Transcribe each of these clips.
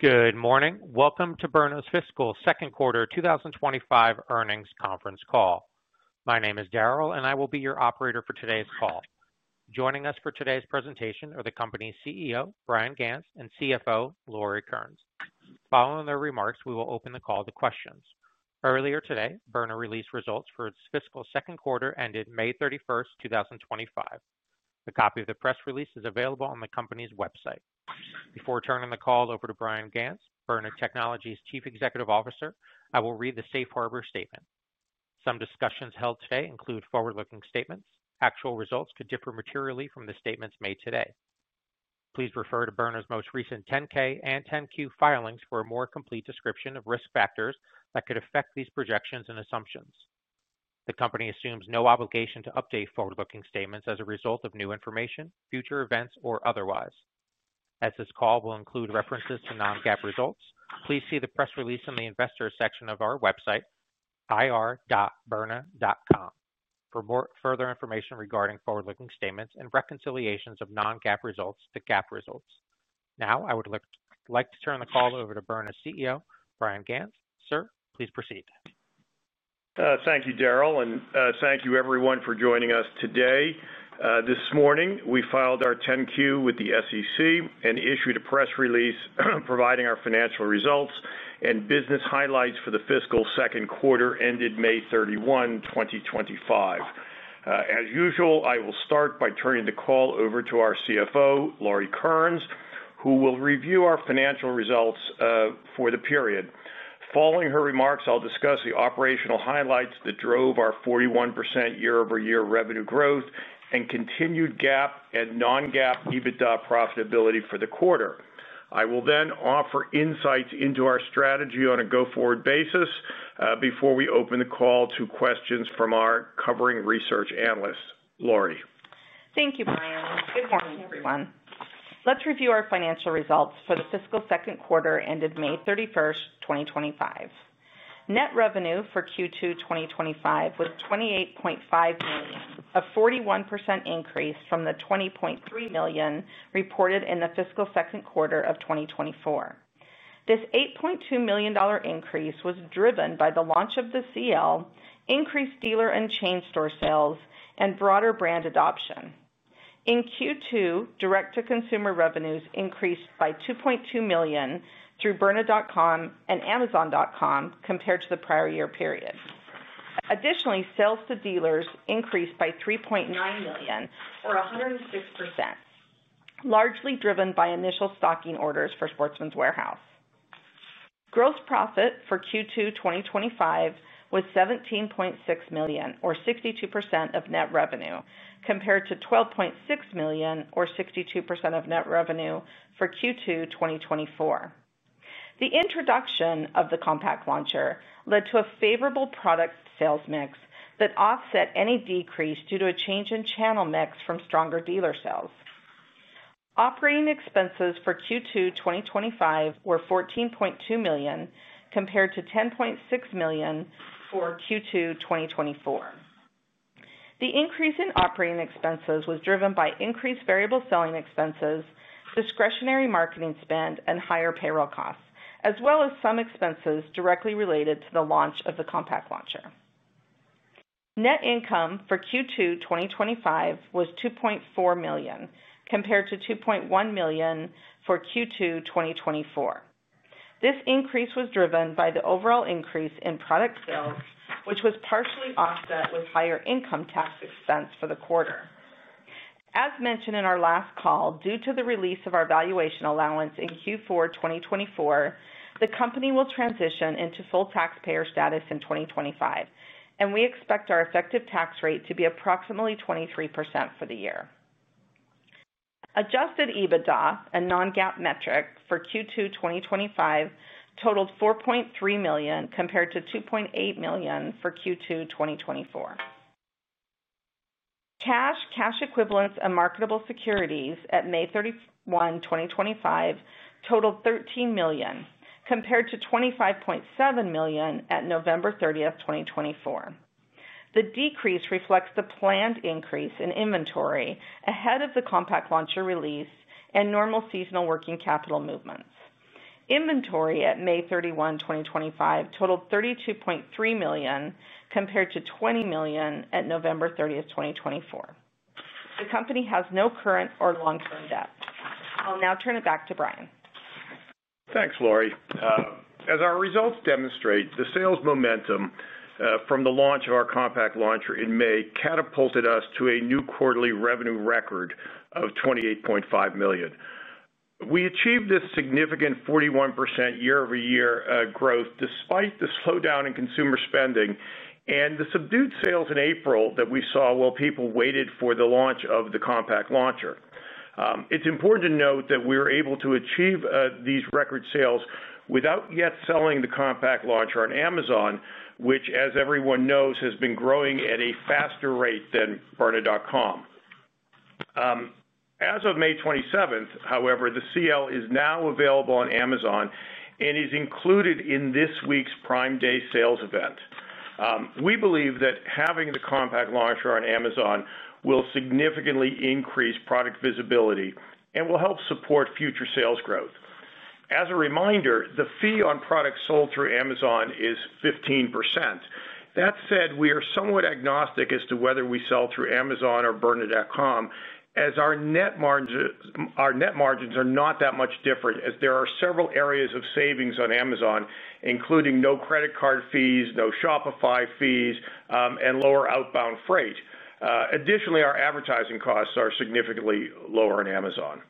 Good morning. Welcome to Byrna's Fiscal Second Quarter 2025 Earnings Conference Call. My name is Darrell, and I will be your operator for today's call. Joining us for today's presentation are the company's CEO, Bryan Ganz, and CFO, Laurilee Kearnes. Following their remarks, we will open the call to questions. Earlier today, Byrna Technologies Inc. released results for its fiscal second quarter ended May 31st, 2025. A copy of the press release is available on the company's website. Before turning the call over to Bryan Ganz, Byrna Technologies Inc.'s Chief Executive Officer, I will read the Safe Harbor statement. Some discussions held today include forward-looking statements. Actual results could differ materially from the statements made today. Please refer to Byrna's most recent 10-K and 10-Q filings for a more complete description of risk factors that could affect these projections and assumptions. The company assumes no obligation to update forward-looking statements as a result of new information, future events, or otherwise. As this call will include references to non-GAAP results, please see the press release in the Investors section of our website, ir.byrna.com, for more information regarding forward-looking statements and reconciliations of non-GAAP results to GAAP results. Now, I would like to turn the call over to Byrna's CEO, Bryan Ganz. Sir, please proceed. Thank you, Darrell, and thank you everyone for joining us today. This morning, we filed our 10-Q with the SEC and issued a press release providing our financial results and business highlights for the fiscal second quarter ended May 31st, 2025. As usual, I will start by turning the call over to our CFO, Laurilee Kearnes, who will review our financial results for the period. Following her remarks, I'll discuss the operational highlights that drove our 41% year-over-year revenue growth and continued GAAP and non-GAAP EBITDA profitability for the quarter. I will then offer insights into our strategy on a go-forward basis before we open the call to questions from our covering research analyst, Laurilee. Thank you, Bryan. Good morning, everyone. Let's review our financial results for the fiscal second quarter ended May 31st, 2025. Net revenue for Q2 2025 was $28.5 million, a 41% increase from the $20.3 million reported in the fiscal second quarter of 2024. This $8.2 million increase was driven by the launch of the Byrna Compact Launcher, increased dealer and chain store sales, and broader brand adoption. In Q2, direct-to-consumer revenues increased by $2.2 million through byrna.com and amazon.com compared to the prior year period. Additionally, sales to dealers increased by $3.9 million, or 106%, largely driven by initial stocking orders for Sportsman's Warehouse. Gross profit for Q2 2025 was $17.6 million, or 62% of net revenue, compared to $12.6 million, or 62% of net revenue for Q2 2024. The introduction of the Byrna Compact Launcher led to a favorable product-sales mix that offset any decrease due to a change in channel mix from stronger dealer sales. Operating expenses for Q2 2025 were $14.2 million compared to $10.6 million for Q2 2024. The increase in operating expenses was driven by increased variable selling expenses, discretionary marketing spend, and higher payroll costs, as well as some expenses directly related to the launch of the Byrna Compact Launcher. Net income for Q2 2025 was $2.4 million compared to $2.1 million for Q2 2024. This increase was driven by the overall increase in product sales, which was partially offset with higher income tax expense for the quarter. As mentioned in our last call, due to the release of our valuation allowance in Q4 2024, the company will transition into full taxpayer status in 2025, and we expect our effective tax rate to be approximately 23% for the year. Adjusted EBITDA, a non-GAAP metric for Q2 2025, totaled $4.3 million compared to $2.8 million for Q2 2024. Cash, cash equivalents, and marketable securities at May 31, 2025 totaled $13 million compared to $25.7 million at November 30th, 2024. The decrease reflects the planned increase in inventory ahead of the Byrna Compact Launcher release and normal seasonal working capital movements. Inventory at May 31st, 2025 totaled $32.3 million compared to $20 million at November 30th, 2024. The company has no current or long-term debt. I'll now turn it back to Bryan. Thanks, Laurie. As our results demonstrate, the sales momentum from the launch of our Byrna Compact Launcher in May catapulted us to a new quarterly revenue record of $28.5 million. We achieved this significant 41% year-over-year growth despite the slowdown in consumer spending and the subdued sales in April that we saw while people waited for the launch of the Byrna Compact Launcher. It's important to note that we were able to achieve these record sales without yet selling the Byrna Compact Launcher on Amazon, which, as everyone knows, has been growing at a faster rate than byrna.com. As of May 27th, however, the CL is now available on Amazon and is included in this week's Prime Day sales event. We believe that having the Byrna Compact Launcher on Amazon will significantly increase product visibility and will help support future sales growth. As a reminder, the fee on products sold through Amazon is 15%. That said, we are somewhat agnostic as to whether we sell through Amazon or byrna.com, as our net margins are not that much different, as there are several areas of savings on Amazon, including no credit card fees, no Shopify fees, and lower outbound freight. Additionally, our advertising costs are significantly lower on Amazon.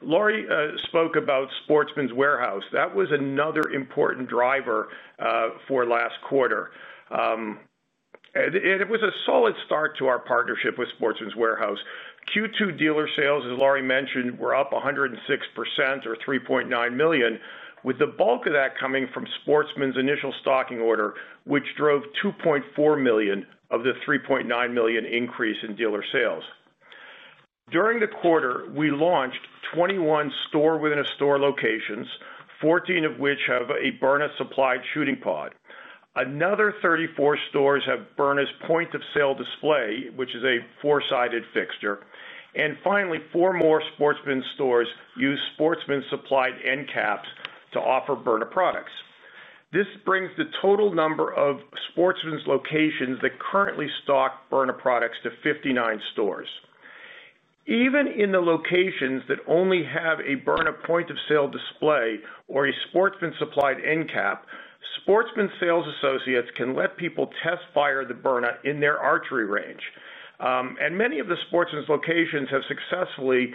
Laurie spoke about Sportsman's Warehouse. That was another important driver for last quarter. It was a solid start to our partnership with Sportsman's Warehouse. Q2 dealer sales, as Laurie mentioned, were up 106% or $3.9 million, with the bulk of that coming from Sportsman's initial stocking order, which drove $2.4 million of the $3.9 million increase in dealer sales. During the quarter, we launched 21 store-within-a-store locations, 14 of which have a Byrna-supplied shooting pod. Another 34 stores have Byrna's point-of-sale display, which is a four-sided fixture. Finally, four more Sportsman's stores use Sportsman's-supplied end caps to offer Byrna products. This brings the total number of Sportsman's locations that currently stock Byrna products to 59 stores. Even in the locations that only have a Byrna point-of-sale display or a Sportsman's-supplied end cap, Sportsman's Sales Associates can let people test fire the Byrna in their archery range. Many of the Sportsman's locations have successfully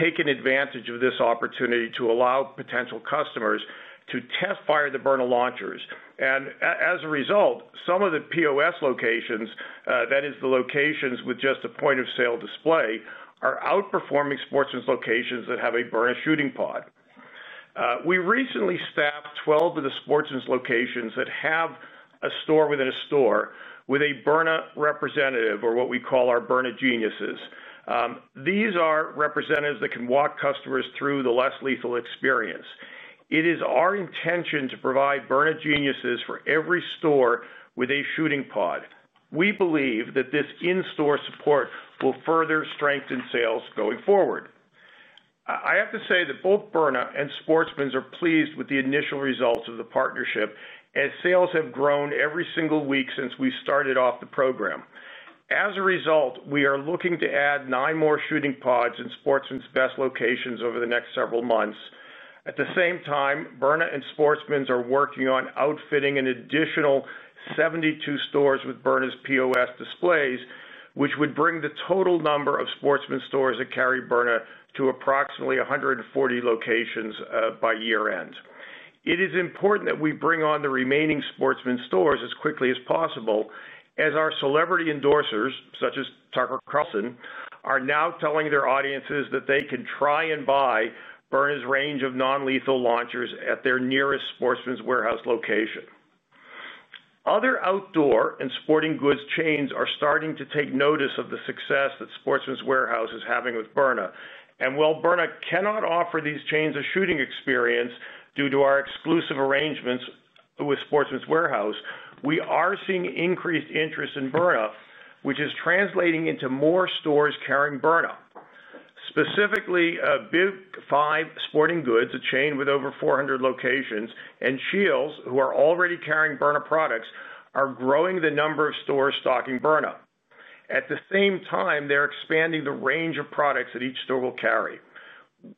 taken advantage of this opportunity to allow potential customers to test fire the Byrna launchers. As a result, some of the POS locations, that is the locations with just a point-of-sale display, are outperforming Sportsman's locations that have a Byrna shooting pod. We recently staffed 12 of the Sportsman's locations that have a store-within-a-store with a Byrna representative, or what we call our Byrna geniuses. These are representatives that can walk customers through the less lethal experience. It is our intention to provide Byrna geniuses for every store with a shooting pod. We believe that this in-store support will further strengthen sales going forward. I have to say that both Byrna and Sportsman's are pleased with the initial results of the partnership, as sales have grown every single week since we started off the program. As a result, we are looking to add nine more shooting pods in Sportsman's best locations over the next several months. At the same time, Byrna and Sportsman's are working on outfitting an additional 72 stores with Byrna's POS displays, which would bring the total number of Sportsman's stores that carry Byrna to approximately 140 locations by year-end. It is important that we bring on the remaining Sportsman's stores as quickly as possible, as our celebrity endorsers, such as Tucker Carlson, are now telling their audiences that they can try and buy Byrna's range of non-lethal launchers at their nearest Sportsman's Warehouse location. Other outdoor and sporting goods chains are starting to take notice of the success that Sportsman's Warehouse is having with Byrna. While Byrna cannot offer these chains a shooting experience due to our exclusive arrangements with Sportsman's Warehouse, we are seeing increased interest in Byrna, which is translating into more stores carrying Byrna. Specifically, Big 5 Sporting Goods, a chain with over 400 locations, and Scheels, who are already carrying Byrna products, are growing the number of stores stocking Byrna. At the same time, they're expanding the range of products that each store will carry.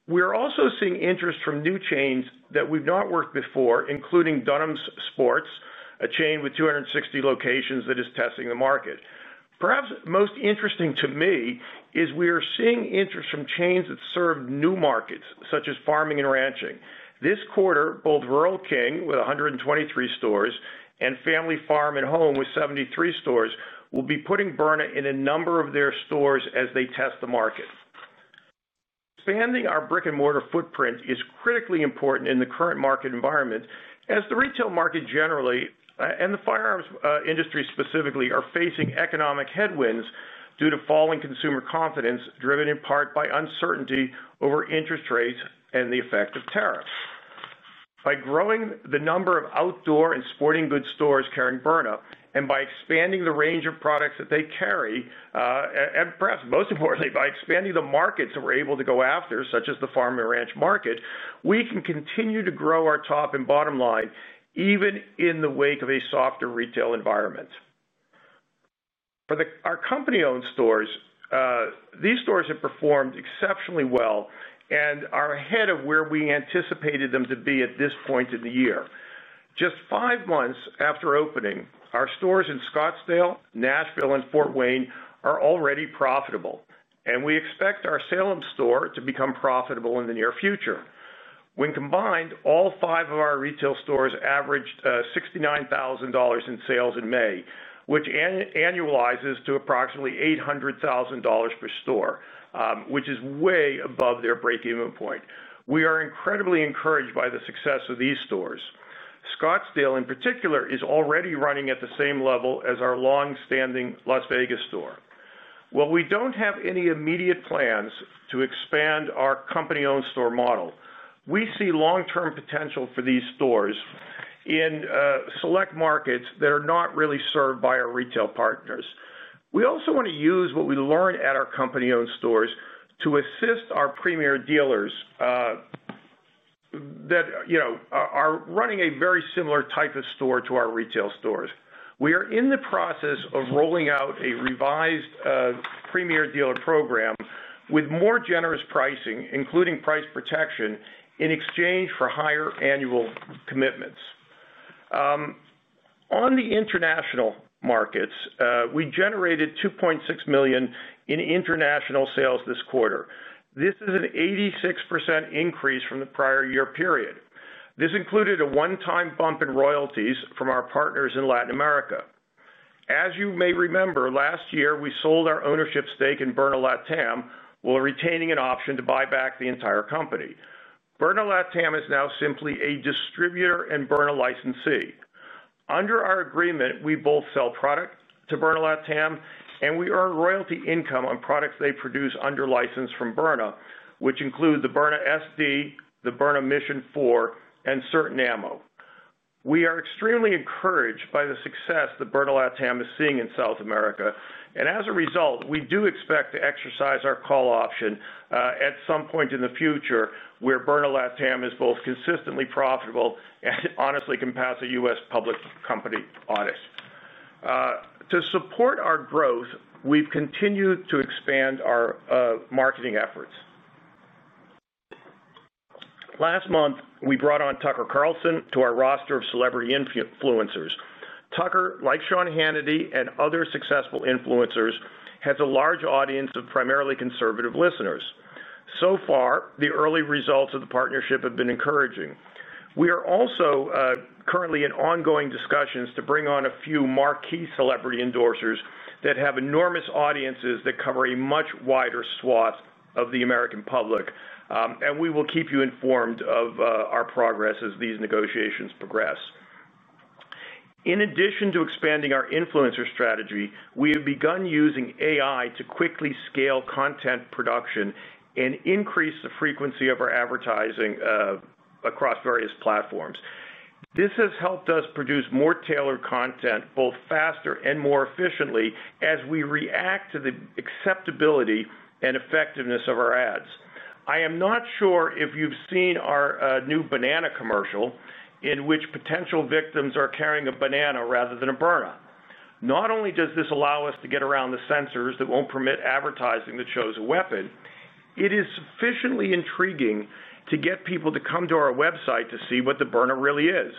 We're also seeing interest from new chains that we've not worked with before, including Dunham's Sports, a chain with 260 locations that is testing the market. Perhaps most interesting to me is we are seeing interest from chains that serve new markets, such as farming and ranching. This quarter, both Rural King, with 123 stores, and Family Farm and Home, with 73 stores, will be putting Byrna in a number of their stores as they test the market. Expanding our brick-and-mortar footprint is critically important in the current market environment, as the retail market generally, and the firearms industry specifically, are facing economic headwinds due to falling consumer confidence, driven in part by uncertainty over interest rates and the effect of tariffs. By growing the number of outdoor and sporting goods stores carrying Byrna, and by expanding the range of products that they carry, and perhaps most importantly, by expanding the markets that we're able to go after, such as the farm and ranch market, we can continue to grow our top and bottom line, even in the wake of a softer retail environment. For our company-owned stores, these stores have performed exceptionally well and are ahead of where we anticipated them to be at this point in the year. Just five months after opening, our stores in Scottsdale, Nashville, and Fort Wayne are already profitable, and we expect our Salem store to become profitable in the near future. When combined, all five of our retail stores averaged $69,000 in sales in May, which annualizes to approximately $800,000 per store, which is way above their break-even point. We are incredibly encouraged by the success of these stores. Scottsdale, in particular, is already running at the same level as our longstanding Las Vegas store. While we don't have any immediate plans to expand our company-owned store model, we see long-term potential for these stores in select markets that are not really served by our retail partners. We also want to use what we learned at our company-owned stores to assist our premier dealers that are running a very similar type of store to our retail stores. We are in the process of rolling out a revised premier dealer program with more generous pricing, including price protection, in exchange for higher annual commitments. On the international markets, we generated $2.6 million in international sales this quarter. This is an 86% increase from the prior year period. This included a one-time bump in royalties from our partners in Latin America. As you may remember, last year, we sold our ownership stake in Byrna LatAm, while retaining an option to buy back the entire company. Byrna LatAm is now simply a distributor and Byrna licensee. Under our agreement, we both sell product to Byrna LatAm, and we earn royalty income on products they produce under license from Byrna, which include the Byrna SD, the Byrna Mission 4, and certain ammo. We are extremely encouraged by the success that Byrna LatAm is seeing in South America. As a result, we do expect to exercise our call option at some point in the future where Byrna LatAm is both consistently profitable and honestly can pass a U.S. public company audit. To support our growth, we've continued to expand our marketing efforts. Last month, we brought on Tucker Carlson to our roster of celebrity influencers. Tucker, like Sean Hannity and other successful influencers, has a large audience of primarily conservative listeners. The early results of the partnership have been encouraging. We are also currently in ongoing discussions to bring on a few marquee celebrity endorsers that have enormous audiences that cover a much wider swath of the American public. We will keep you informed of our progress as these negotiations progress. In addition to expanding our influencer strategy, we have begun using AI to quickly scale content production and increase the frequency of our advertising across various platforms. This has helped us produce more tailored content, both faster and more efficiently, as we react to the acceptability and effectiveness of our ads. I am not sure if you've seen our new banana commercial in which potential victims are carrying a banana rather than a Byrna. Not only does this allow us to get around the censors that won't permit advertising that shows a weapon, it is sufficiently intriguing to get people to come to our website to see what the Byrna really is.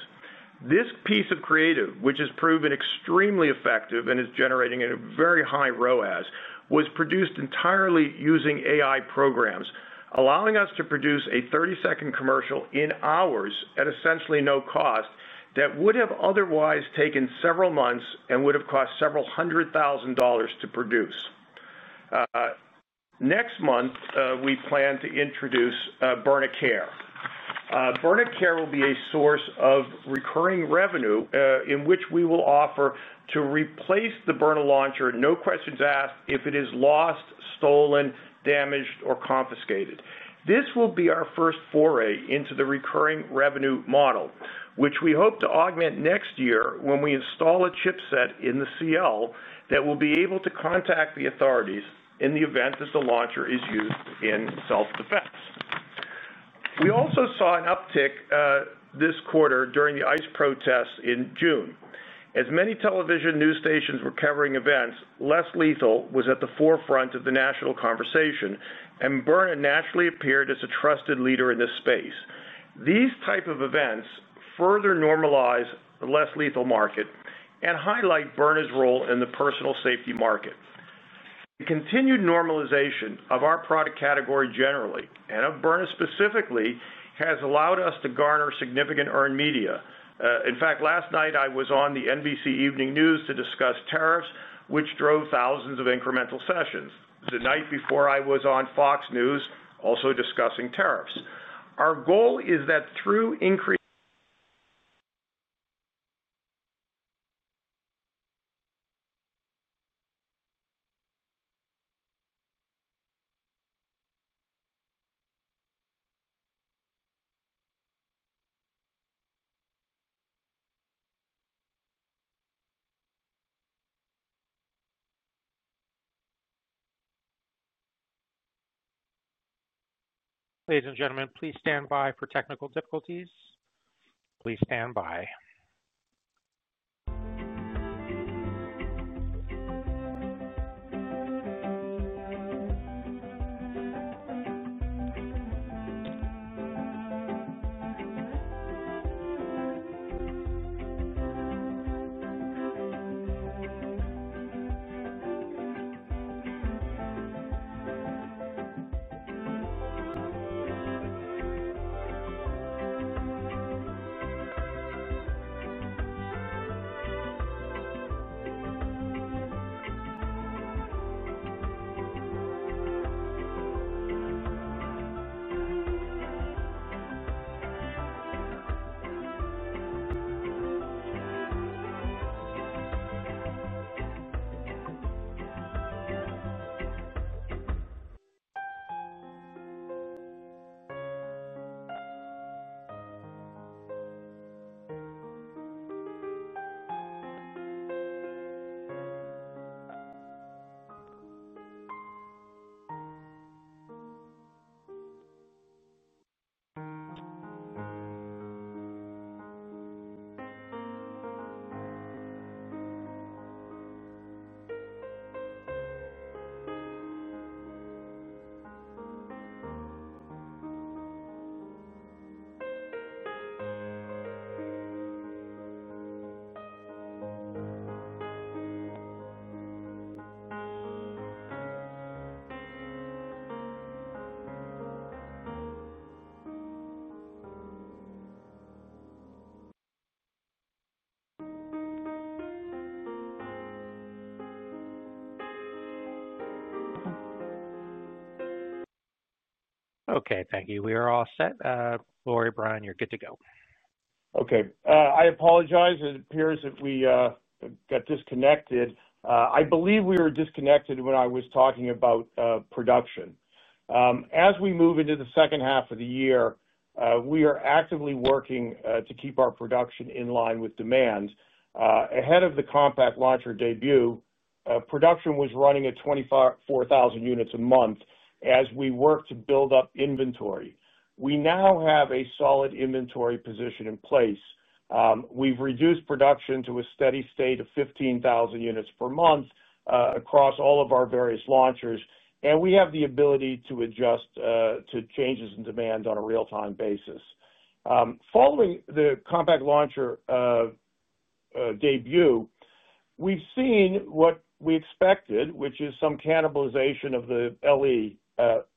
This piece of creative, which has proven extremely effective and is generating a very high ROAS, was produced entirely using AI programs, allowing us to produce a 30-second commercial in hours at essentially no cost that would have otherwise taken several months and would have cost several hundred thousand dollars to produce. Next month, we plan to introduce Byrna Care. Byrna Care will be a source of recurring revenue in which we will offer to replace the Byrna launcher, no questions asked, if it is lost, stolen, damaged, or confiscated. This will be our first foray into the recurring revenue model, which we hope to augment next year when we install a chipset in the CL that will be able to contact the authorities in the event that the launcher is used in self-defense. We also saw an uptick this quarter during the ICE protests in June. As many television news stations were covering events, less lethal was at the forefront of the national conversation, and Byrna naturally appeared as a trusted leader in this space. These types of events further normalize the less lethal market and highlight Byrna's role in the personal safety market. The continued normalization of our product category generally and of Byrna specifically has allowed us to garner significant earned media. In fact, last night I was on the NBC Evening News to discuss tariffs, which drove thousands of incremental sessions. The night before, I was on Fox News, also discussing tariffs. Our goal is that through increased. Ladies and gentlemen, please stand by for technical difficulties. Please stand by. Okay, thank you. We are all set. Laurilee, Bryan, you're good to go. Okay. I apologize. It appears that we got disconnected. I believe we were disconnected when I was talking about production. As we move into the second half of the year, we are actively working to keep our production in line with demand. Ahead of the compact launcher debut, production was running at 24,000 units a month as we worked to build up inventory. We now have a solid inventory position in place. We've reduced production to a steady state of 15,000 units per month across all of our various launchers, and we have the ability to adjust to changes in demand on a real-time basis. Following the compact launcher debut, we've seen what we expected, which is some cannibalization of the LE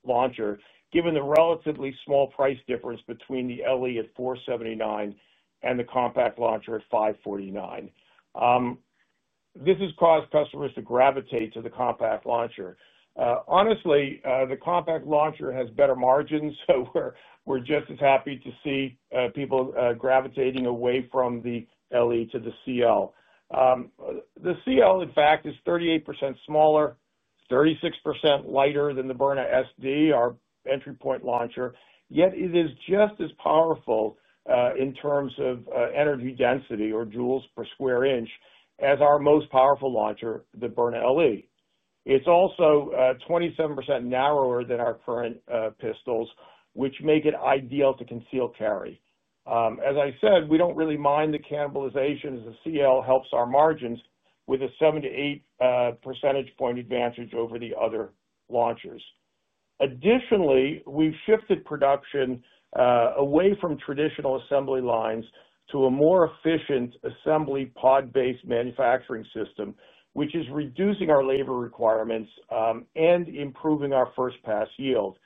launcher, given the relatively small price difference between the LE at $479 and the compact launcher at $549. This has caused customers to gravitate to the compact launcher. Honestly, the compact launcher has better margins, so we're just as happy to see people gravitating away from the LE to the CL. The CL, in fact, is 38% smaller, 36% lighter than the Byrna SD, our entry point launcher, yet it is just as powerful in terms of energy density or joules per square inch as our most powerful launcher, the Byrna LE. It's also 27% narrower than our current pistols, which make it ideal to conceal carry. As I said, we don't really mind the cannibalization as the CL helps our margins with a 7%-8% advantage over the other launchers. Additionally, we've shifted production away from traditional assembly lines to a more efficient assembly pod-based manufacturing system, which is reducing our labor requirements and improving our first pass yield.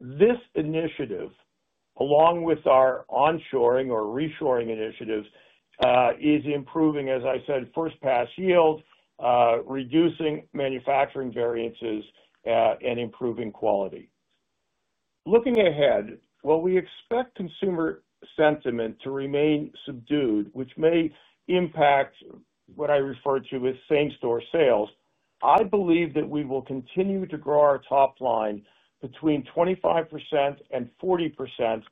This initiative, along with our onshoring or reshoring initiatives, is improving, as I said, first pass yield, reducing manufacturing variances, and improving quality. Looking ahead, while we expect consumer sentiment to remain subdued, which may impact what I refer to as same-store sales, I believe that we will continue to grow our top line between 25% and 40%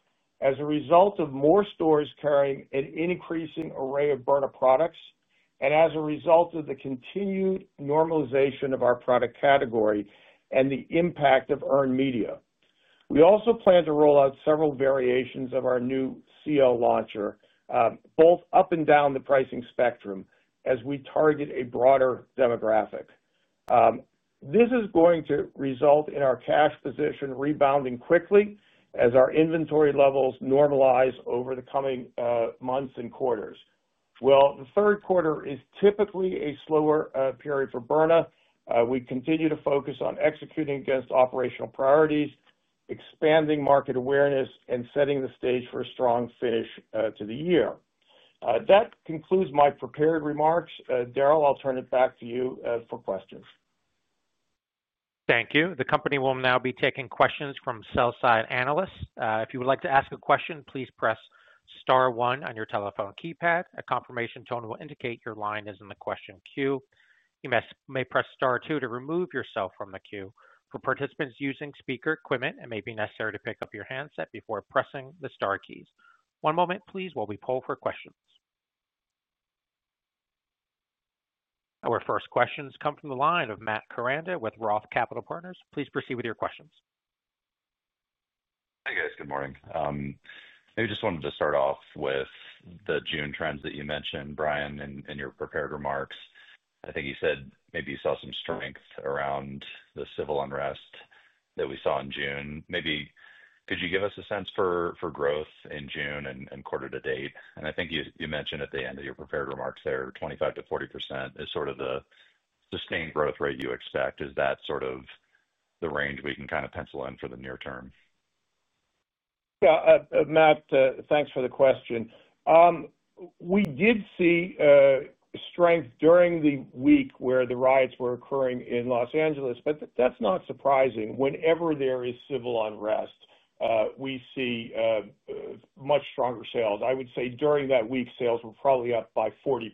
as a result of more stores carrying an increasing array of Byrna products and as a result of the continued normalization of our product category and the impact of earned media. We also plan to roll out several variations of our new CL launcher, both up and down the pricing spectrum, as we target a broader demographic. This is going to result in our cash position rebounding quickly as our inventory levels normalize over the coming months and quarters. While the third quarter is typically a slower period for Byrna, we continue to focus on executing against operational priorities, expanding market awareness, and setting the stage for a strong finish to the year. That concludes my prepared remarks. Darrell, I'll turn it back to you for questions. Thank you. The company will now be taking questions from sell-side analysts. If you would like to ask a question, please press star one on your telephone keypad. A confirmation tone will indicate your line is in the question queue. You may press star two to remove yourself from the queue. For participants using speaker equipment, it may be necessary to pick up your handset before pressing the star keys. One moment, please, while we poll for questions. Our first questions come from the line of Matt Koranda with ROTH Capital Partners. Please proceed with your questions. Hi, guys. Good morning. Maybe I just wanted to start off with the June trends that you mentioned, Bryan, in your prepared remarks. I think you said maybe you saw some strength around the civil unrest that we saw in June. Could you give us a sense for growth in June and quarter to date? I think you mentioned at the end of your prepared remarks there 25%-40% is sort of the sustained growth rate you expect. Is that sort of the range we can kind of pencil in for the near term? Yeah, Matt, thanks for the question. We did see strength during the week where the riots were occurring in Los Angeles, but that's not surprising. Whenever there is civil unrest, we see much stronger sales. I would say during that week, sales were probably up by 40%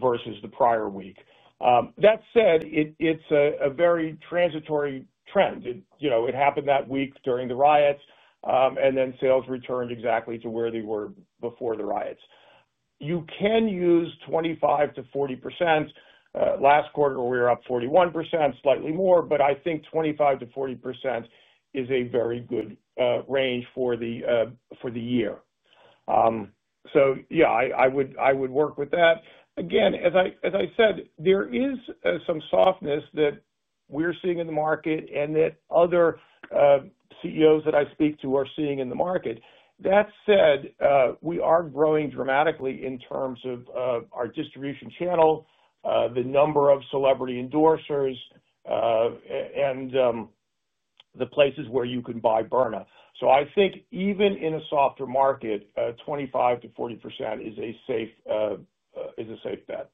versus the prior week. That said, it's a very transitory trend. It happened that week during the riots, and then sales returned exactly to where they were before the riots. You can use 25%-40%. Last quarter, we were up 41%, slightly more, but I think 25%-40% is a very good range for the year. I would work with that. Again, as I said, there is some softness that we're seeing in the market and that other CEOs that I speak to are seeing in the market. That said, we are growing dramatically in terms of our distribution channel, the number of celebrity endorsers, and the places where you can buy Byrna. I think even in a softer market, 25%-40% is a safe bet.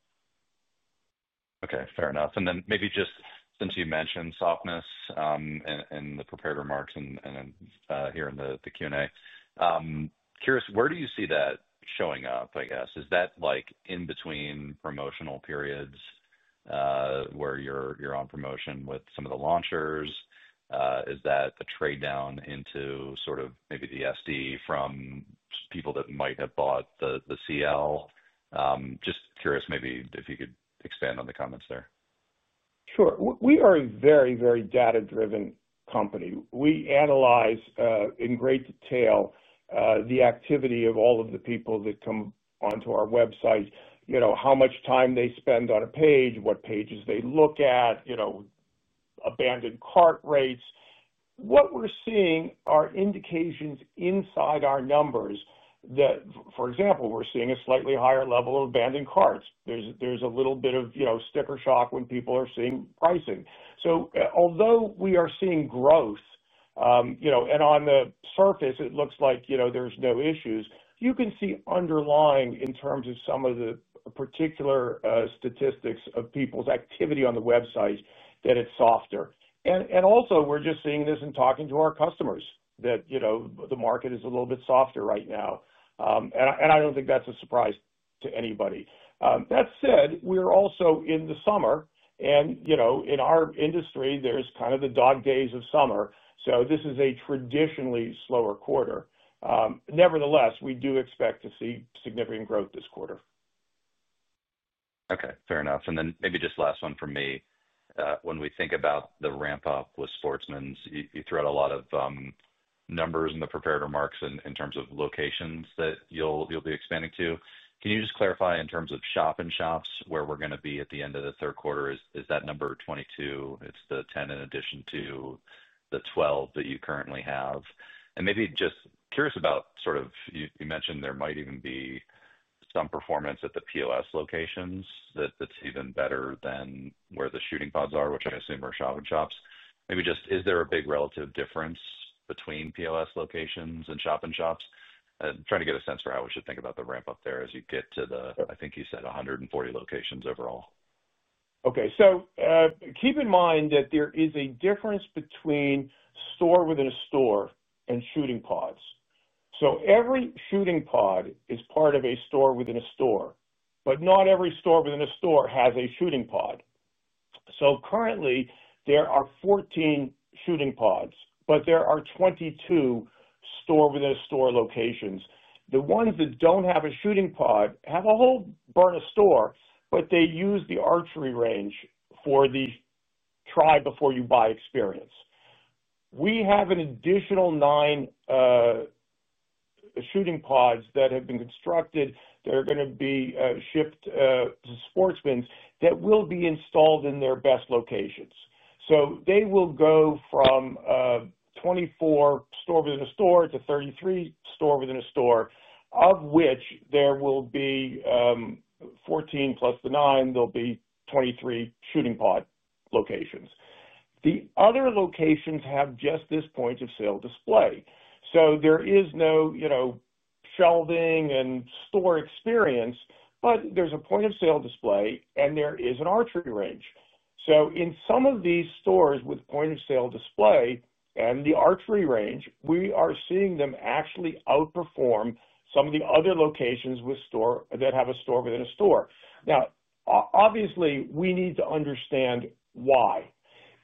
Okay, fair enough. Since you mentioned softness in the prepared remarks and here in the Q&A, curious, where do you see that showing up, I guess? Is that in between promotional periods where you're on promotion with some of the launchers? Is that a trade down into maybe the SD from people that might have bought the CL? Just curious, maybe if you could expand on the comments there. Sure. We are a very, very data-driven company. We analyze in great detail the activity of all of the people that come onto our website, you know, how much time they spend on a page, what pages they look at, you know, abandoned cart rates. What we're seeing are indications inside our numbers that, for example, we're seeing a slightly higher level of abandoned carts. There's a little bit of, you know, sticker shock when people are seeing pricing. Although we are seeing growth, and on the surface, it looks like there's no issues, you can see underlying in terms of some of the particular statistics of people's activity on the website that it's softer. We're just seeing this and talking to our customers that the market is a little bit softer right now. I don't think that's a surprise to anybody. That said, we are also in the summer, and in our industry, there's kind of the dog days of summer. This is a traditionally slower quarter. Nevertheless, we do expect to see significant growth this quarter. Okay, fair enough. Maybe just last one from me. When we think about the ramp-up with Sportsman's Warehouse, you threw out a lot of numbers in the prepared remarks in terms of locations that you'll be expanding to. Can you just clarify in terms of shop-in-shops where we're going to be at the end of the third quarter? Is that number 22? It's the 10 in addition to the 12 that you currently have. Maybe just curious about, you mentioned there might even be some performance at the POS locations that's even better than where the shooting pods are, which I assume are shop-in-shops. Is there a big relative difference between POS locations and shop-in-shops? Trying to get a sense for how we should think about the ramp-up there as you get to the, I think you said, 140 locations overall. Okay. Keep in mind that there is a difference between store within a store and shooting pods. Every shooting pod is part of a store within a store, but not every store within a store has a shooting pod. Currently, there are 14 shooting pods, but there are 22 store within a store locations. The ones that do not have a shooting pod have a whole Byrna store, but they use the archery range for the try-before-you-buy experience. We have an additional nine shooting pods that have been constructed that are going to be shipped to Sportsman's that will be installed in their best locations. They will go from 24 store within a store to 33 store within a store, of which there will be 14 plus the 9, there will be 23 shooting pod locations. The other locations have just this point-of-sale display. There is no shelving and store experience, but there is a point-of-sale display and there is an archery range. In some of these stores with point-of-sale display and the archery range, we are seeing them actually outperform some of the other locations with store that have a store within a store. Obviously, we need to understand why.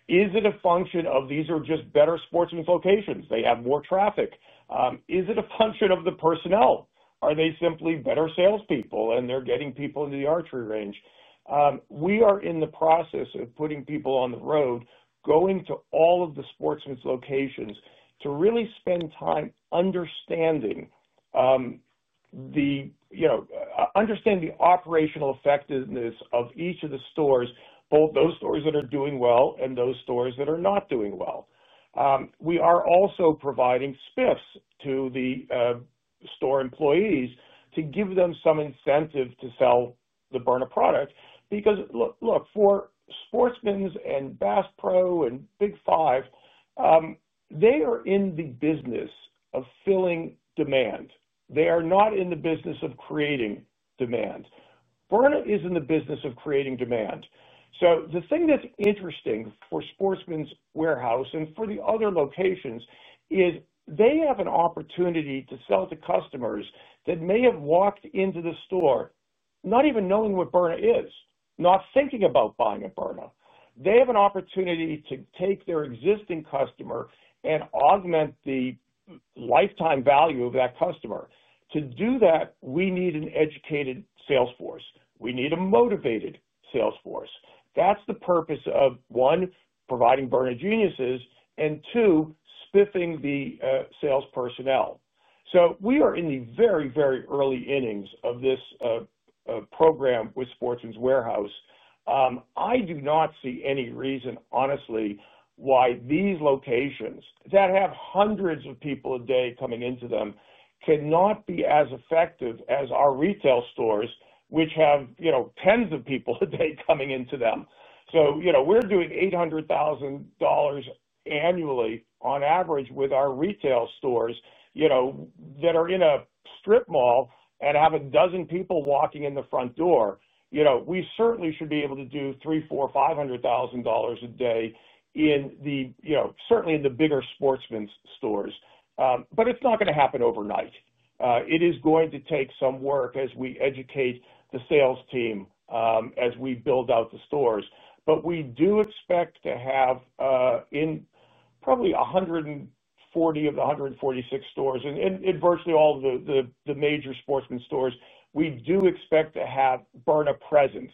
Is it a function of these are just better Sportsman's locations? They have more traffic. Is it a function of the personnel? Are they simply better salespeople and they're getting people into the archery range? We are in the process of putting people on the road, going to all of the Sportsman's locations to really spend time understanding the operational effectiveness of each of the stores, both those stores that are doing well and those stores that are not doing well. We are also providing spiffs to the store employees to give them some incentive to sell the Byrna product because, look, for Sportsman's and Bass Pro Shops and Big 5 Sporting Goods, they are in the business of filling demand. They are not in the business of creating demand. Byrna is in the business of creating demand. The thing that's interesting for Sportsman's Warehouse and for the other locations is they have an opportunity to sell to customers that may have walked into the store not even knowing what Byrna is, not thinking about buying a Byrna. They have an opportunity to take their existing customer and augment the lifetime value of that customer. To do that, we need an educated salesforce. We need a motivated salesforce. That's the purpose of, one, providing Byrna geniuses and, two, spiffing the sales personnel. We are in the very, very early innings of this program with Sportsman's Warehouse. I do not see any reason, honestly, why these locations that have hundreds of people a day coming into them cannot be as effective as our retail stores, which have, you know, tens of people a day coming into them. We're doing $800,000 annually on average with our retail stores that are in a strip mall and have a dozen people walking in the front door. We certainly should be able to do $300,000, $400,000, $500,000 a day in the bigger Sportsman's stores. It's not going to happen overnight. It is going to take some work as we educate the sales team, as we build out the stores. We do expect to have in probably 140 of the 146 stores and in virtually all of the major Sportsman's stores, we do expect to have Byrna presence,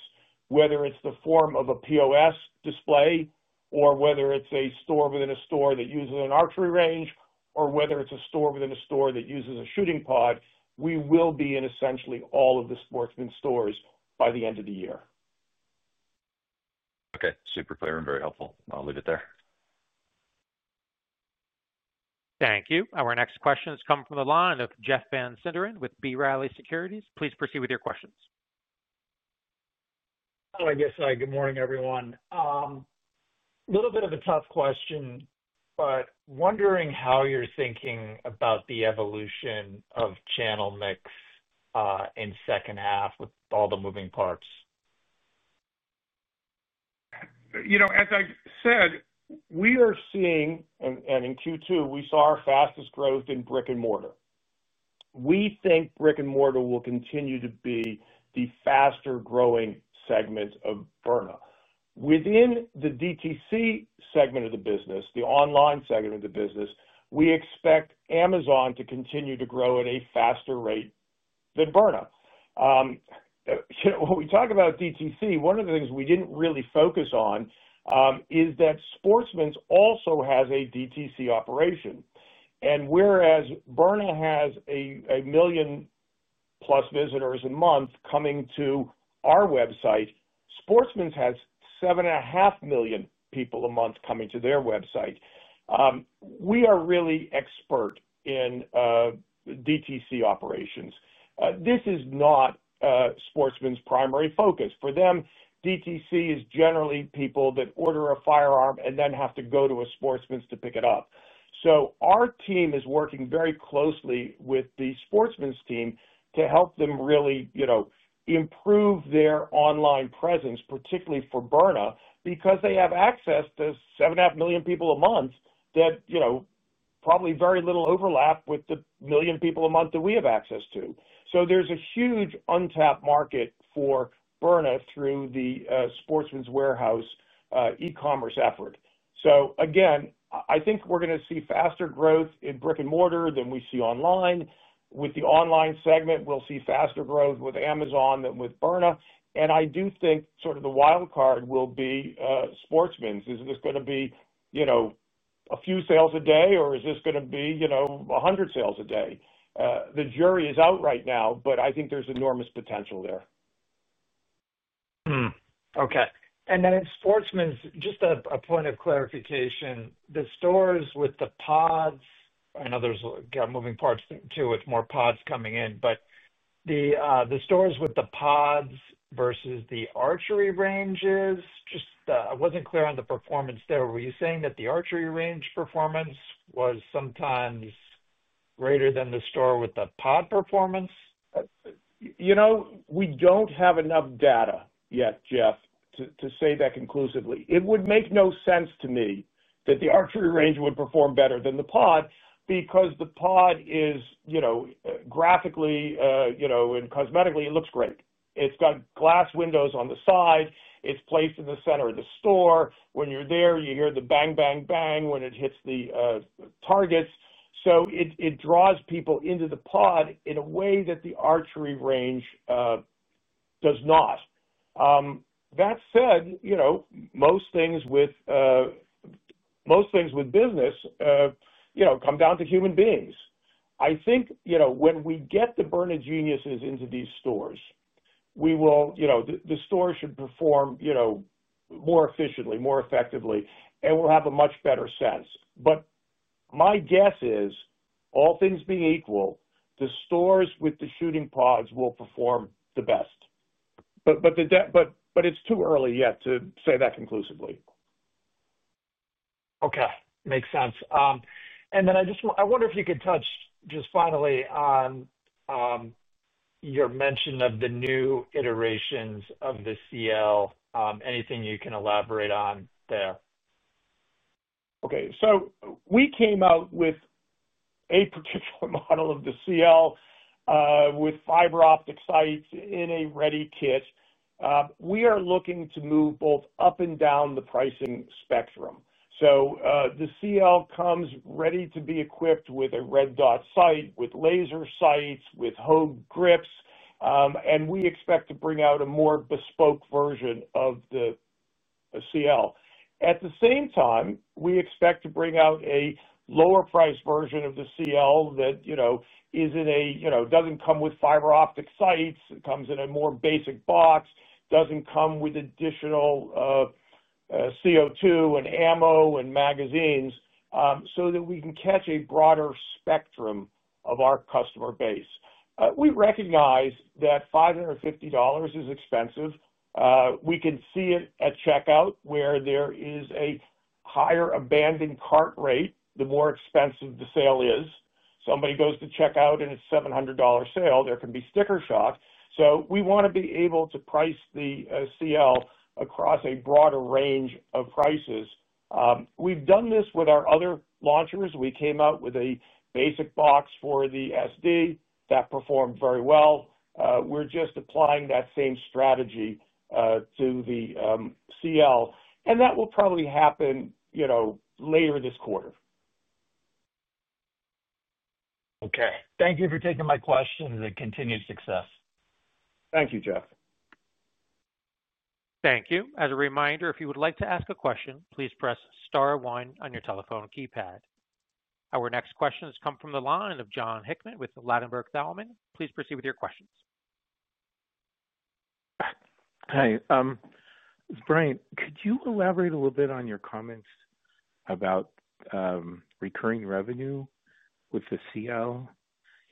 whether it's the form of a POS display or whether it's a store within a store that uses an archery range or whether it's a store within a store that uses a shooting pod. We will be in essentially all of the Sportsman's stores by the end of the year. Okay. Super clear and very helpful. I'll leave it there. Thank you. Our next questions come from the line of Jeff Van Sinderen with B. Riley Securities. Please proceed with your questions. Hello, good morning, everyone. A little bit of a tough question, but wondering how you're thinking about the evolution of channel mix in the second half with all the moving parts. You know, as I said, we are seeing, and in Q2, we saw our fastest growth in brick-and-mortar. We think brick-and-mortar will continue to be the faster-growing segment of Byrna. Within the DTC segment of the business, the online segment of the business, we expect Amazon to continue to grow at a faster rate than Byrna. When we talk about DTC, one of the things we didn't really focus on is that Sportsman's also has a DTC operation. Whereas Byrna has million-plus visitors a month coming to our website, Sportsman's has 7.5 million people a month coming to their website. We are really expert in DTC operations. This is not Sportsman's primary focus. For them, DTC is generally people that order a firearm and then have to go to a Sportsman's to pick it up. Our team is working very closely with the Sportsman's team to help them really, you know, improve their online presence, particularly for Byrna, because they have access to 7.5 million people a month that, you know, probably very little overlap with the million people a month that we have access to. There is a huge untapped market for Byrna through the Sportsman's Warehouse e-commerce effort. I think we're going to see faster growth in brick-and-mortar than we see online. With the online segment, we'll see faster growth with Amazon than with Byrna. I do think sort of the wildcard will be Sportsman's. Is this going to be, you know, a few sales a day, or is this going to be, you know, 100 sales a day? The jury is out right now, but I think there's enormous potential there. Okay. In Sportsman's, just a point of clarification, the stores with the pods, I know there's got moving parts too with more pods coming in, but the stores with the pods versus the archery ranges, I wasn't clear on the performance there. Were you saying that the archery range performance was sometimes greater than the store with the pod performance? We don't have enough data yet, Jeff, to say that conclusively. It would make no sense to me that the archery range would perform better than the pod because the pod is, graphically and cosmetically, it looks great. It's got glass windows on the side. It's placed in the center of the store. When you're there, you hear the bang, bang, bang when it hits the targets. It draws people into the pod in a way that the archery range does not. That said, most things with business come down to human beings. I think when we get the Byrna geniuses into these stores, the store should perform more efficiently, more effectively, and we'll have a much better sense. My guess is, all things being equal, the stores with the shooting pods will perform the best. It's too early yet to say that conclusively. Okay. Makes sense. I just want, I wonder if you could touch just finally on your mention of the new iterations of the Byrna Compact Launcher. Anything you can elaborate on there? Okay. We came out with a particular model of the Byrna Compact Launcher with fiber optic sights in a ready kit. We are looking to move both up and down the pricing spectrum. The Byrna Compact Launcher comes ready to be equipped with a red dot sight, with laser sights, with Hogue grips, and we expect to bring out a more bespoke version of the Byrna Compact Launcher. At the same time, we expect to bring out a lower-priced version of the Byrna Compact Launcher that doesn't come with fiber optic sights, comes in a more basic box, doesn't come with additional Byrna CO2 Cartridges and ammo and magazines so that we can catch a broader spectrum of our customer base. We recognize that $550 is expensive. We can see it at checkout where there is a higher abandoned cart rate, the more expensive the sale is. Somebody goes to checkout and it's a $700 sale, there can be sticker shock. We want to be able to price the Byrna Compact Launcher across a broader range of prices. We've done this with our other launchers. We came out with a basic box for the Byrna SD that performed very well. We're just applying that same strategy to the Byrna Compact Launcher, and that will probably happen later this quarter. Okay, thank you for taking my questions and continued success. Thank you, Jeff. Thank you. As a reminder, if you would like to ask a question, please press star one on your telephone keypad. Our next questions come from the line of Jon Hickman with Ladenburg Thalmann. Please proceed with your questions. Hi. Brian, could you elaborate a little bit on your comments about recurring revenue with the CL?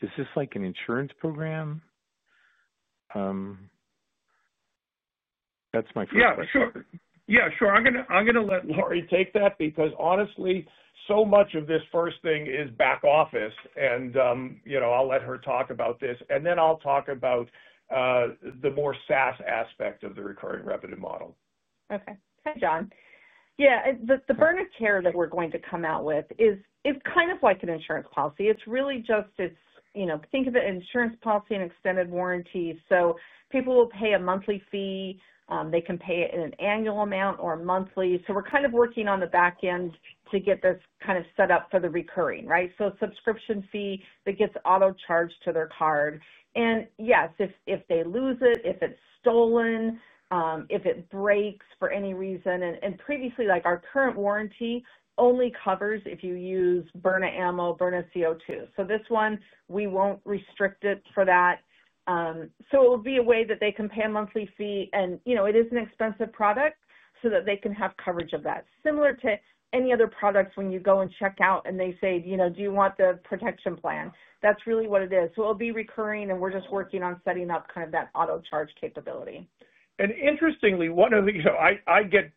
Is this like an insurance program? That's my first question. Yeah, sure. I'm going to let Laurilee take that because honestly, so much of this first thing is back office, and you know I'll let her talk about this. Then I'll talk about the more SaaS aspect of the recurring revenue model. Okay. Hi, Jon. Yeah, the Byrna Care that we're going to come out with is kind of like an insurance policy. It's really just, you know, think of it as an insurance policy and extended warranty. People will pay a monthly fee. They can pay it in an annual amount or monthly. We're kind of working on the back end to get this set up for the recurring, right? A subscription fee that gets auto-charged to their card. Yes, if they lose it, if it's stolen, if it breaks for any reason, and previously, like our current warranty only covers if you use Byrna Ammo, Byrna CO2. This one, we won't restrict it for that. It will be a way that they can pay a monthly fee, and you know it is an expensive product so that they can have coverage of that. Similar to any other products when you go and check out and they say, "You know, do you want the protection plan?" That's really what it is. It'll be recurring, and we're just working on setting up that auto-charge capability. Interestingly, I get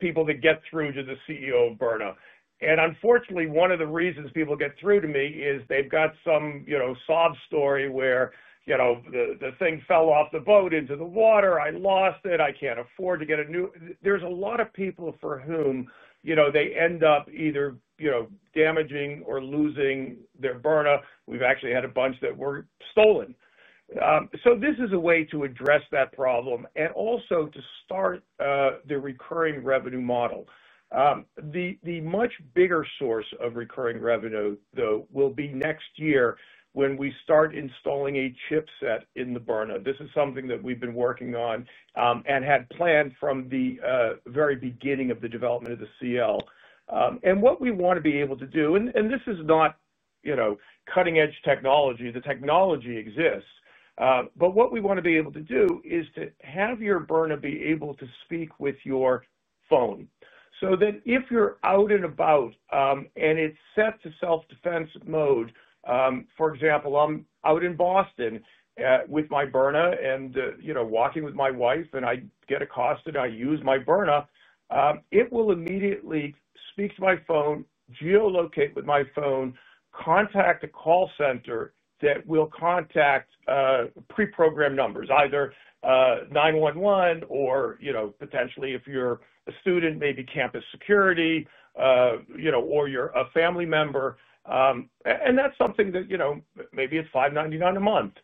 people that get through to the CEO of Byrna. Unfortunately, one of the reasons people get through to me is they've got some sob story where the thing fell off the boat into the water. I lost it. I can't afford to get a new one. There's a lot of people for whom they end up either damaging or losing their Byrna. We've actually had a bunch that were stolen. This is a way to address that problem and also to start the recurring revenue model. The much bigger source of recurring revenue, though, will be next year when we start installing a chipset in the Byrna. This is something that we've been working on and had planned from the very beginning of the development of the CL. What we want to be able to do, and this is not cutting-edge technology, the technology exists. What we want to be able to do is to have your Byrna be able to speak with your phone so that if you're out and about and it's set to self-defense mode, for example, I'm out in Boston with my Byrna and walking with my wife, and I get accosted and I use my Byrna, it will immediately speak to my phone, geolocate with my phone, contact a call center that will contact pre-programmed numbers, either 911 or potentially if you're a student, maybe campus security, or you're a family member. That's something that maybe it's $5.99 a month.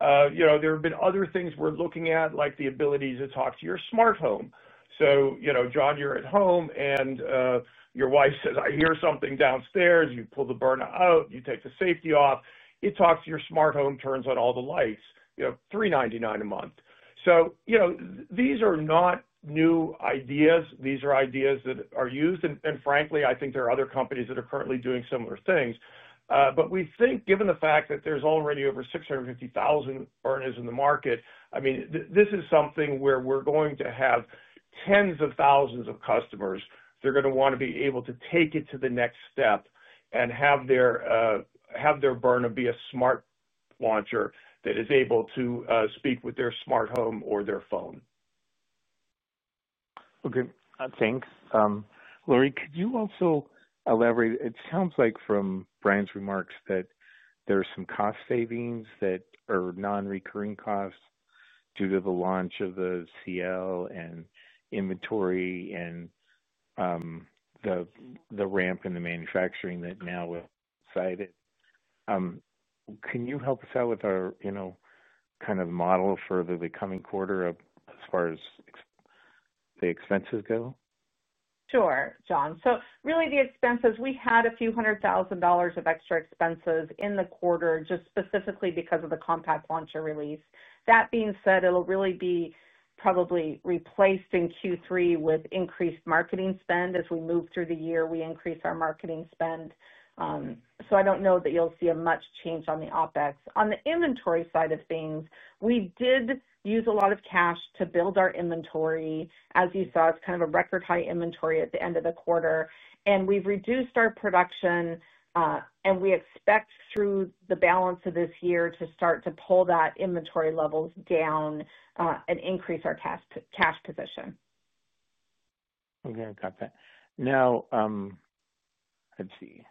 There have been other things we're looking at, like the ability to talk to your smart home. John, you're at home and your wife says, "I hear something downstairs." You pull the Byrna out, you take the safety off, it talks to your smart home, turns on all the lights, $3.99 a month. These are not new ideas. These are ideas that are used. Frankly, I think there are other companies that are currently doing similar things. We think, given the fact that there's already over 650,000 Byrnas in the market, this is something where we're going to have tens of thousands of customers. They're going to want to be able to take it to the next step and have their Byrna be a smart launcher that is able to speak with their smart home or their phone. Okay. I think, Laurilee, could you also elaborate? It sounds like from Bryan's remarks that there are some cost savings that are non-recurring costs due to the launch of the Byrna Compact Launcher and inventory and the ramp in the manufacturing that now we're excited. Can you help us out with our, you know, kind of model for the coming quarter as far as the expenses go? Sure, John. Really, the expenses, we had a few hundred thousand dollars of extra expenses in the quarter just specifically because of the Byrna Compact Launcher release. That being said, it'll really be probably replaced in Q3 with increased marketing spend. As we move through the year, we increase our marketing spend. I don't know that you'll see much change on the OpEx. On the inventory side of things, we did use a lot of cash to build our inventory. As you saw, it's kind of a record-high inventory at the end of the quarter. We've reduced our production, and we expect through the balance of this year to start to pull those inventory levels down and increase our cash position. Okay. Got that. Now, let's see.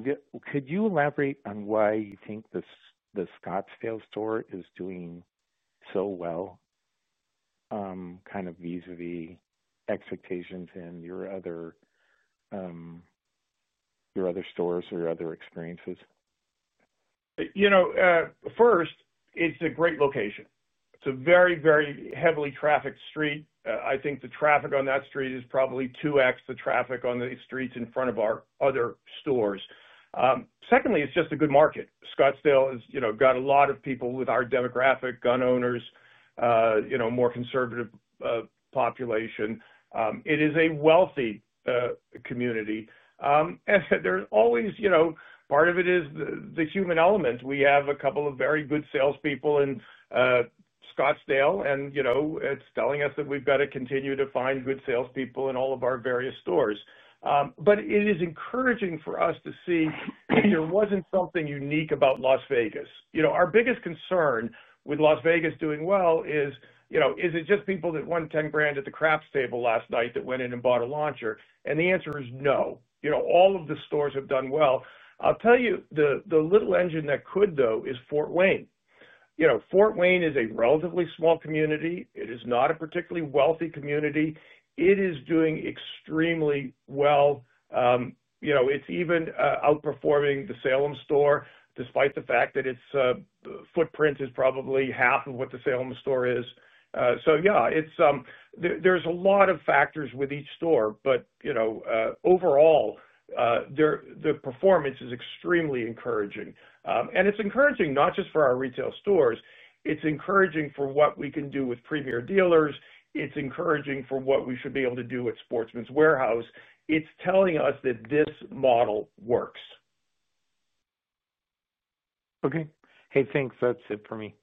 Could you elaborate on why you think the Scottsdale store is doing so well kind of vis-à-vis expectations in your other stores or your other experiences? First, it's a great location. It's a very, very heavily trafficked street. I think the traffic on that street is probably 2X the traffic on the streets in front of our other stores. Secondly, it's just a good market. Scottsdale has got a lot of people with our demographic, gun owners, more conservative population. It is a wealthy community. There's always part of it that is the human element. We have a couple of very good salespeople in Scottsdale, and it's telling us that we've got to continue to find good salespeople in all of our various stores. It is encouraging for us to see there wasn't something unique about Las Vegas. Our biggest concern with Las Vegas doing well is, is it just people that won $10,000 at the craps table last night that went in and bought a launcher? The answer is no. All of the stores have done well. I'll tell you, the little engine that could, though, is Fort Wayne. Fort Wayne is a relatively small community. It is not a particularly wealthy community. It is doing extremely well. It's even outperforming the Salem store despite the fact that its footprint is probably half of what the Salem store is. There are a lot of factors with each store, but overall, the performance is extremely encouraging. It's encouraging not just for our retail stores. It's encouraging for what we can do with Premier Dealers. It's encouraging for what we should be able to do with Sportsman's Warehouse. It's telling us that this model works. Okay, hey, thanks. That's it for me.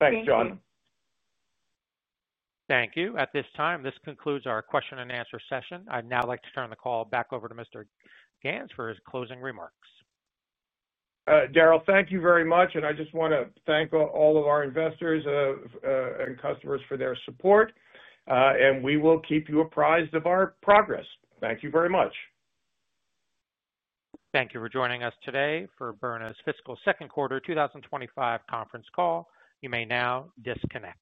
Thanks, John. Thank you. At this time, this concludes our question and answer session. I'd now like to turn the call back over to Mr. Ganz for his closing remarks. Darrell, thank you very much. I just want to thank all of our investors and customers for their support. We will keep you apprised of our progress. Thank you very much. Thank you for joining us today for Byrna Technologies Inc.'s fiscal second quarter 2025 conference call. You may now disconnect.